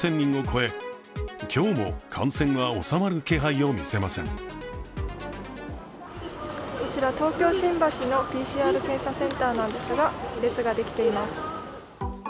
こちら東京・新橋のＰＣＲ検査センターなんですが列ができています。